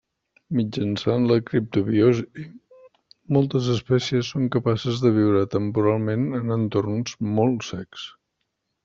Mitjançant la criptobiosi moltes espècies són capaces de viure temporalment en entorns molt secs.